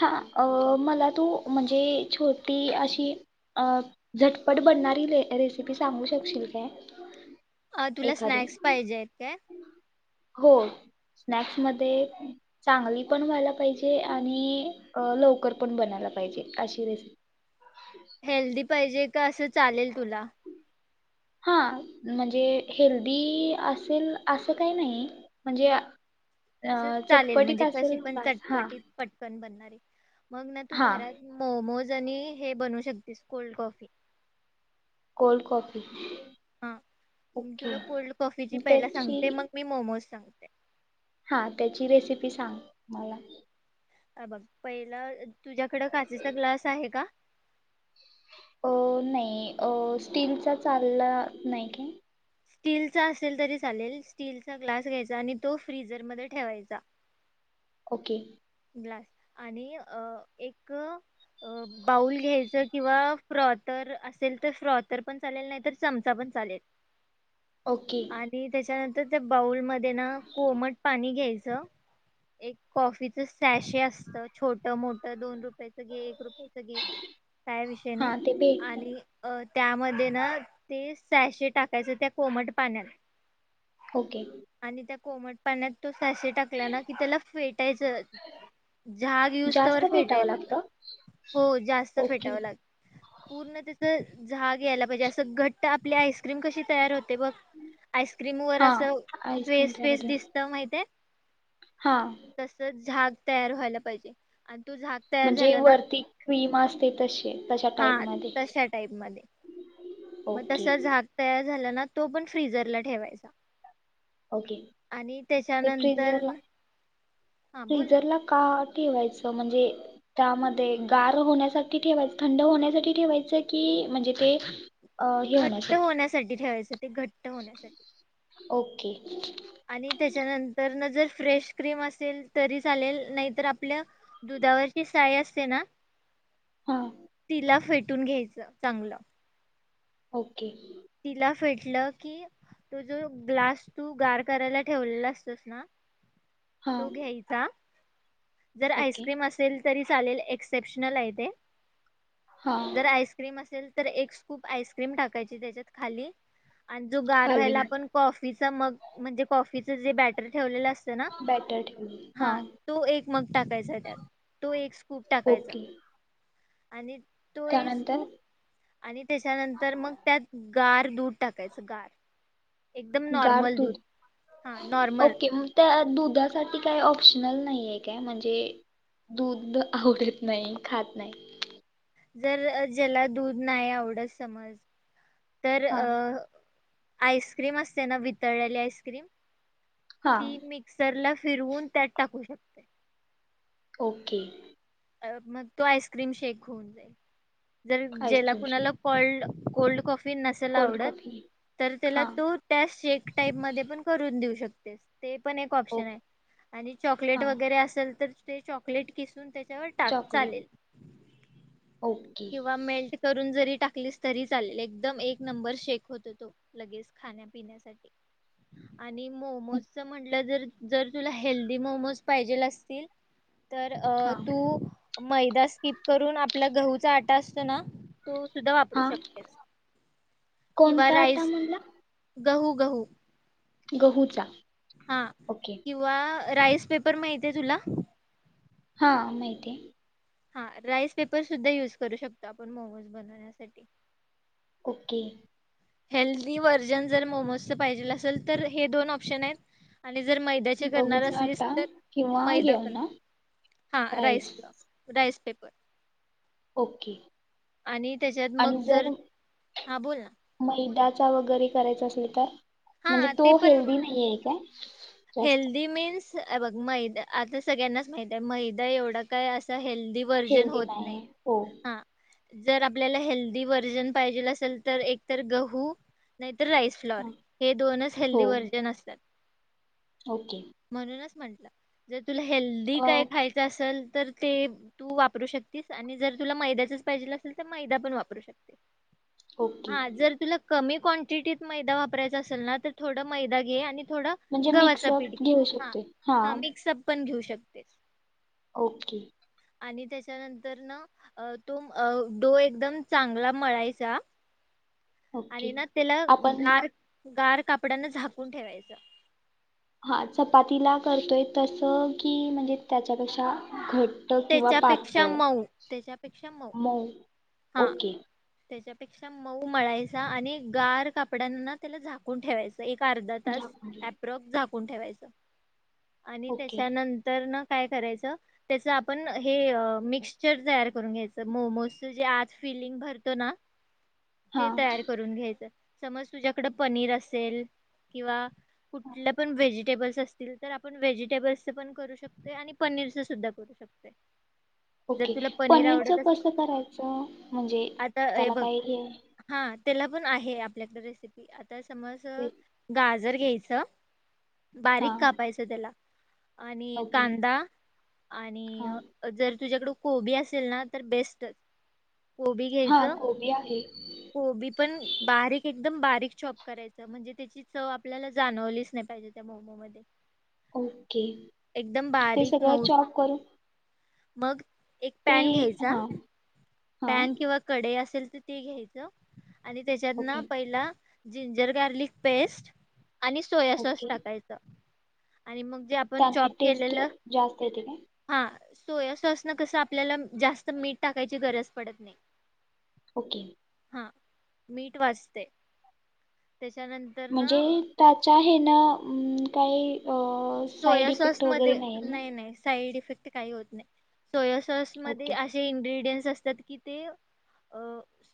हा अ मला तू म्हणजे छोटी अशी अ झटपट बनणारी र रेसिपी सांगू शकशील का? अ तुला स्नॅक्स पाहिजे आहेत काय? हो स्नॅक्स मध्ये? चांगली पण व्हायला पाहिजे आणि लवकर पण बनायला पाहिजे अशी रेसिपी. हेल्दी पाहिजे का असं चालेल तुला? हा म्हणजे हेल्दी असेल असं काही नाही म्हणजे अ अस चालेल चटपटीत म्हणजे कशी असेल पण बस हा चटपटीत पटकन बनणारी मग ना तू हा घरात मोमोज. आणी हे बनू शकतेस कोल्ड कॉफी कोल्ड कॉफी हा मी ओके तुला कोल्ड कॉफीची पहिला त्याची सांगते मग मी मोमोज सांगते. हा त्याची रेसिपी सांग मला. अ बघ पहिला तुझ्याकडं काचेचा ग्लास आहे का? अ नाही अ स्टीलचा चालला नाही की? स्टीलचा असेल तरी चालेल स्टीलचा ग्लास घ्यायचा आणि तो फ्रीझर मध्ये ठेवायचा. ओके. ग्लास आणि एक बाऊल घ्यायच किंवा फ्रॉतर असेल तर फ्रॉतर पण चालेल नाही तर चमचा पण चालेल. ओके आणि त्याच्यानंतर तर त्या बाउलमध्ये ना कोमट पाणी घ्यायच एक कॉफी शे असतं छोट मोठ दोन रुपये जे एक रूप सगे काय विषय हां ते नाही भेटत अ त्यामध्ये ना ते शहाशे टाकायचे त्या कोमट पाण्यात. ओके. आणि त्या कोमट पाण्यात त श्याशे टाकल्या ना की त्याला फेटायचं झाग युस जास्त त्यावर भेटावं फेटायचं लागतं हो जास्त ओके फेटावं लागेल. पूर्ण त्याच झाग यायला पाहिजे. असं घट्ट आपली आईस्क्रीम कशी तयार होत ते बघ आस्क्रीम व हां अस आईस्क्रीम फेस तयार फेस होते दिसत नाहीत हाय? हां तसच झाक तयार व्हायला पाहिजे. तो झाग तयार म्हणजे झाला ना वरती क्रीम असते तशी तशा हा टाईप मध्ये? तशा टाईप मध्ये मग तस झाक तयार झा तो पण फिझरला ठेवायचा. ओके आणि ते त्याच्यानंतर फिजरला हा बोल ना फिजरला का? ठेवायचं म्हणजे त्यामध्ये गार होण्यासाठी ठेवायच थंड होण्यासाठी ठेवायचं कि? म्हणजे ते अ, हे घट्ट होण्यासाठी ठेवायचं ते घट्ट होण्यासाठी ओके आणि त्याच्यानंतर न जर फ्रेश क्रीम असेल तरी चालेल नाहीतर आपल्या दुधावरची साळी असते ना हां तिला फेट ून घ्यायचं चांगलं ओके तिला फेटलं की तो जो ग्लास तू गार करायला ठेवलेला असतोस ना हां तू घ्यायचा जर ओके आईस्क्रीम असेल तरी चालेल एक्सेप्शनल आहे ते हां जर आईस्क्रीम असेल तर एक स्कूप आईस्क्रीम टाकायची. त्याच्यात खाली आणि जो गार खाली व्हायला, आपण कॉफीचा मग म्हणजे कॉफी फिचजे बाॅटर ठेवलेलं अस बाॅटर ठेवले. हा एक मग टाकायच त्यात, तो एक स्कूप टाकायचा. ओके आणि तो एक त्यानंतर स्कुप आणि त्याच्यानंतर मग त्यात गार दूध टाकायच. गार एकदम गार नॉर्मल दुध दूध हा नॉर्मल ओके मग त्या दुधासाठी काही ऑप्शनल नाही आहे काय? म्हणजे दूध आवडत नाही. खात नाही. जर ज्याला दूध नाही आवडत. समज तर अ हां आईस्क्रीम असते ना वितळलेली आईस्क्रीम, हां ती मिक्सर ला फिरवून त्यात टाकू शकते. ओके अ मग तो आईस्क्रीम शेक होऊन जाईल. जर ज्याला आईस्क्रीम शेक कुणाला कोल्ड कोल्ड कॉफी नसेल कोल्ड आवडत, कॉफी तर त्याला हां तो त्या शेक टाईप मध्ये पण करून देऊ शकतो. तेच ते पण एक ऑप्शन ओके आहे, आणि चॉकलेट हां वगैरे असेल तर ते चॉकलेट किसून त्या त्यावर टाक चॉकलेट चालेल. ओके किंवा मेल्ट करून जरी टाक लीस तरी चालेल एकदम एक नंबर शेक होतो तो लगेच खाण्यापिण्यासाठी. आणि मोमोजचं म्हटलं जर जर तुला हेल्दी मोमोज पाहिजेल असतील तर अ हां [unintelligible] अ मैदा स्किप करून आपल्या गहूचा आटा असतो ना तो सुद्धा वापरू हां शकतेस. किंवा कोणता आटा राईस म्हणला गहू गहू. गहूचा. हां ओके किंवा राईस पेपर माहिती आहे तुला? हा माहिती आहे. हा राइस पेपर सुद्धा युज करू शकतो आपण मोमोज बनवण्यासाठी. ओके. हेल्दी व्हर्जन जर मोमोज च पाहिजे असल तर हे दोन ऑप्शन आहेत आणि. आणि जर मैद्याची करणार गहूचा असलीस आटा तर किंवा हे मैदा पण. ना हा rice rice rice paper. Okay आणि त्याच्यात आणि मग जर हा बोल ना मैदा? च्या वगैरे करायच असेल तर? हा म्हणजे ते तो पण हेल्दी नाही आहे काय? जास्त हेल्दी मीन्स हे बघ मैदा आता सगळ्यांनाच माहित आहे मैदा एवढा काय असा. हेल्दी वर्जन हेल्दी होत नाही आहे हो हा. जर आपल्याला हेल्दी व्हर्जन पाहिजेल असेल तर एक तर गहू नाहीतर. तर राईस फ्लॉर हा. हे दोनच हो हेल्दी व्हर्जन असतात. ओके. म्हटलं जसं. तुला हेल्दी अ, काय खायचं असेल तर ते तू वापरू शकतीस आणि जर तुला मैद्याचच पाहिजेल असेल तर मैदा पण वापरू शकते. ओके हां जर तुला कमी क्वांटिटीत मैदा वापरायचा असेल ना तर थोडं मैदा घे आणि थोडं म्हणजे गव्हाचा पीठ मिक्सअप घे घेऊ हा शकते? हा हां. मिक्सअप पण घेऊ शकतेस. ओके. आणि त्याच्यानंतरन अ तुम अ डो एकदम चांगला मळायचा. ओके आणि ना त्याला आपण गार गार कापडान झाकून ठेवायचं. हा चपातीला करतोय तस की म्हणजे त्याच्यापेक्षा घट घट्ट किंवा त्याच्यापेक्षा पातळ मऊ त्याच्यापेक्षा मऊ हा ओके. त्याच्यापेक्षा मऊ मळायचा आणि गार कापड्यांन त्याला झाकून ठेवायच. एक अर्धा तास झाकून एप्रॉक्स झाकुन फोण ठेवायचं आणि ओके त्याच्यानंतर न काय करायचं त्याच आप पण हे मिक्स्चर तयार करून घ्यायचं मोमोजच जे आज फिलिंग भरतो ना ते हां तयार करून घ्यायचं समज तुझ्याकड पनीर असेल किंवा कुठले पण व्हेजिटेबल्स असतील तर आपण व्हेजिटेबल् पण करू शकतो आणि पनीर च सुद्धा करू शकतो ते ओके पनीरचं कसं करायचं म्हणजे आता हे त्याला बघ काय हे हा त्याला पण आहे आपल्याकडे रेसिपी आ समज गा जर घ्यायचं बारीक हां कापायचं त्याला आणि ओके कांदा आणि हां जर तुझ्याकड कोबी असेल ना तर बेस्टच कोबी घ्यायच हां कोबी आहे कोबी पण बारीक एकदम बारी करा म्हणजे त्या चव आपल्याला जाणवलीच नाहीजे त्या ओके एकदम ते बारीक सगळं मऊ चॉक कर मग एक पॅन घ्यायचा हां हां पॅन किंवा कडे असेल तर ते घ्यायचं [inaudible] [inaudible] आणि त्याच्यात ना ओके पहिला जिंजर गार्लिक पेस्ट आणि सोया सॉस टाकायचा तनी टेस्ट जास्त तेे हा सोया सॉस न कस आपल्याला जास्त मीठ टाकायची गरज पडत नाही ओके ह मीट वाजते. म्हणजे त्याचा हे त काही साईड सोया इफेक्ट वगैरे सॉसमध्येध्ये आहे ना नाही नाही साईड इफेक्ट ते काही सोया ओके सॉसमध्येध्ये असे इनग्र्रीडियंट्स असतात की ते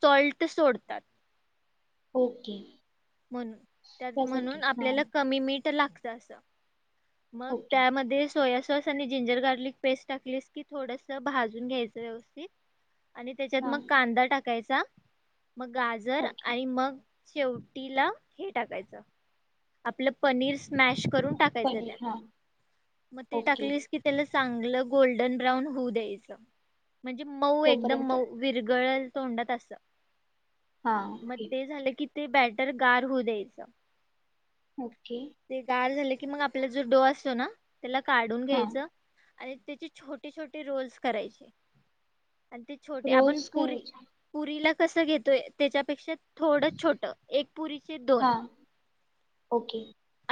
सॉल्ट सोडतात. ओके. म्हण त्यासाठी म्हणून हां आपल्याला कमी मीठ [unintelligible] लागत असं मग ओके त्यामध्ये सोया सॉस आणि जिंजर गार्लिक पेस्ट टाकलीस की थोडस भाजून घ्यायचं व्यवस्थित आणि त्याच्यात हां मग कांदा टाक कायचा मग गाजर ओके आणि मग शेवटी ला हे टाकायचं आपलं पनीस स्मॅश करून टाकायच त्यात पनीर हां मग ते ओके टाकलीस की त्याला चांगलं गोल्डन ब्राउन होऊ द्यायचं. म्हणजे मऊ एकदम तोपर्यंत मऊ विरगळल तोंडत अस हां मग ओके ते झालं कि ते बॅटर गार होऊ द्यायचं. ओके ते गार झाले की कि मग आपला जो डो असतो ना त्याला काढून हां घ्यायचं आणि त्याचे छोटे छोटे रोल्स करायचे आणि ते छोटे आपण रोल्स पुरी करायचे पुरीला कस घेतोय त्याच्यापेक्षा थोडं छोटं एक पुरीचे दोन हां ओके.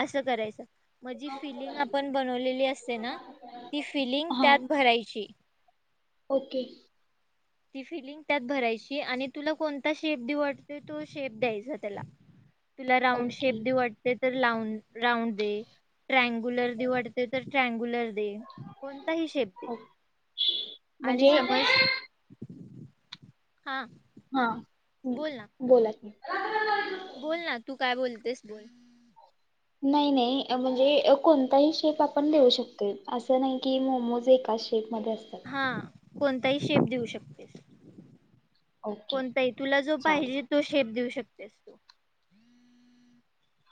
असं करायचं. मग जी फिलिंग आपण बनवलेली असते ना ती फिलिंग हां त्यात भरायची ओके. ती फिलिंग त्यात भरायची आणि तुला कोणता शेप देऊ वाटतो तो शेप द्यायचा त्याला. तुला राऊंड ओके शेप देऊ वाटतय तर राऊंड दे ट्रँगुलर देऊ वाटतय तर ट्रँगुलर दे कोणताही शेप दे हो आणि म्हणजे समस हा हम बोल ना बोला की. [unintelligible] बोल ना तू काय बोलतेस बोल. नाही नाही म्हणजे कोणताही शेप आपण देऊ शकतोय असं नाही की मोमोज एका मधे असतात. हा कोणताही शेप देऊ शकतेस. ओके कोणताही तुला जो चालेल. पाहिजे तो शेप देऊ शक तेस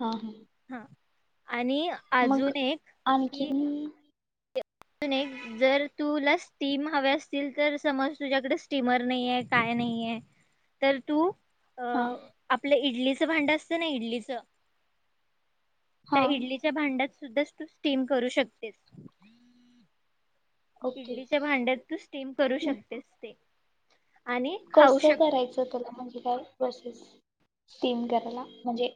हा ह हा. आणि मग अजून एक कि आणखीन अजून एक जर तुला स्टीम हवे असतील तर समज तुझ्याकडे स्टीमर नाहीे काय नाही आहे तर तू अ हा आपल्या इडली च भांड असतं ना इडलीच त्या हा इडलीच्या भांड्यात तू स्टीम करू शकतेस. ओके. इडलीच्या भांड्यात तू स्टीम करू शकतेस ते आणि कस खाऊ शकते करायचं तुला? म्हणजे काय प्रोसेस स्टीम करायला म्हणजे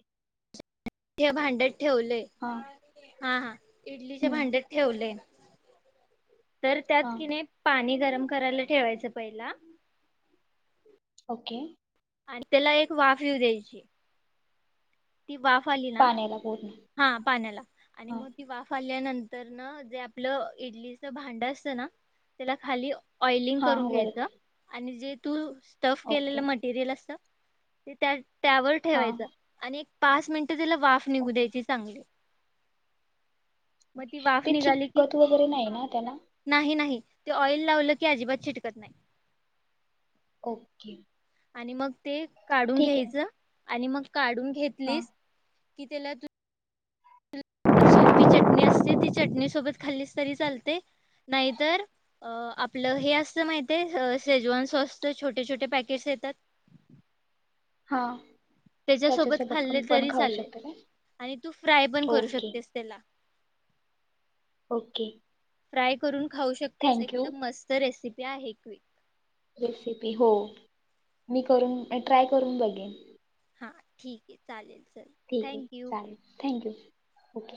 ते भांड ठेवलये हा इडलीच्या हम्म भांड्यात ठेवलय तर त्यात हा कि नई पाणी गरम करायला ठेवायचं पहिला ओके. आणि त्याला एक वाफ येवू द्यायची ती वाफ आली ना पाण्याला पूर्ण हा पाण्याला आणि हा मग ती वाफ आली नंतर जे आपलं इडलीच भांड असत ना त्याला खाली ऑइलिंग हा करून घ्यायच वरती आणि जे तू टफ ओके केलेलं मटेरियल असतं ते त्या त्यावर हा ठेवायचा आणि पाच मि नंट त्याला वाफ निघू ओके द्यायची चांगली म ती वाफ ते निघाली की, चिकट वगैरे नाही ना त्याला नाही नाही ते ऑइल लावलं की अजिबात चिटकत नाय. ओके आणि मग ते काढून ठीक आहे घ्यायचं आणि मग काढून हा घेतलीस की त्याला तू चटणी असते ती चटणी सोबत खाल्लीस तरी चालते, नाहीतर अ आपलं हे असत माहित आहे. शेजवान सॉस छोटे, छोटे पॅकेटस येतात. हा त्याच्यासोबत क खाल्ले पण तरी खाऊ चालेल, शकता का आणि तू फ्राय पण करू ओके शकतेस त्याला ओके फ्राय करून खाऊ शकतेस थँक्यू एकदम मस्त रेसि ते आहे क्यिक रेसिपी हो मी करून ट्राय करून बघीन हा ठीक ये चालेल. चल ठीक ये थँक्यू चालेल थँक यू ओके